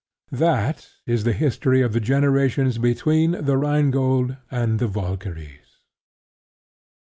That is the history of the generations between The Rhine Gold and The Valkyries.